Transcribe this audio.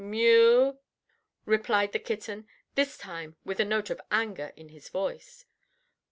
"Mew," replied the kitten, this time with a note of anger in his voice.